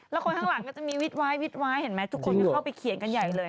แล้วคนข้างหลังก็จะมีวิดไว้วิดวายเห็นไหมทุกคนก็เข้าไปเขียนกันใหญ่เลย